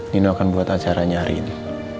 nino akan buat acaranya hari ini